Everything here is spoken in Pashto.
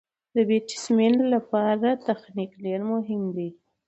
د بېټسمېن له پاره تخنیک ډېر مهم دئ.